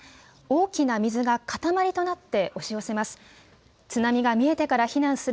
大きな水が塊となって押し寄せます。